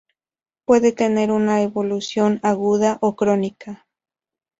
Puede tener una evolución aguda o crónica.